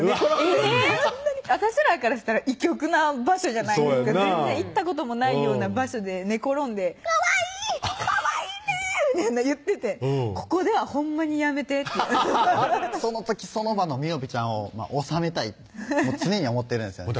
寝転がって私らからしたら異郷な場所じゃないですか行ったこともないような場所で寝転んで「かわいいかわいいね」言ってて「ここではほんまにやめて」ってその時その場のみおぴちゃんを収めたい常に思ってるんですよね